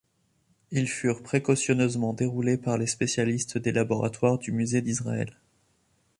Ils furent précautionneusement déroulés par les spécialistes des laboratoires du Musée d'Israël.